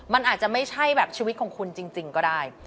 มันอาจจะไม่ใช่แบบชีวิตของคุณจริงก็ได้